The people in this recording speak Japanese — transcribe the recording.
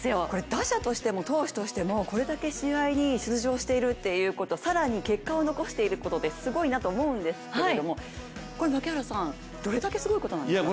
打者としても投手としてもこれだけ試合に出場しているということ更に結果を残していることですごいなと思うんですけれども、これ槙原さん、どれだけすごいことなんですか？